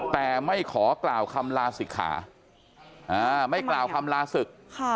แต่ไม่ขอกล่าวคำลาศิกขาไม่กล่าวคำลาศึก